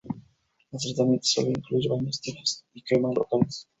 El tratamiento suele incluir baños tibios y cremas locales.